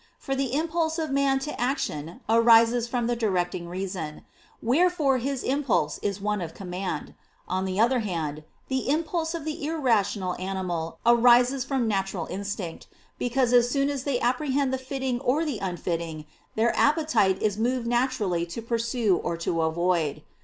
For the impulse of man to action arises from the directing reason; wherefore his impulse is one of command. On the other hand, the impulse of the irrational animal arises from natural instinct; because as soon as they apprehend the fitting or the unfitting, their appetite is moved naturally to pursue or to avoid.